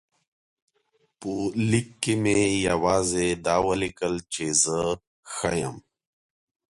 په لیک کې مې یوازې دا ولیکل چې زه ښه یم.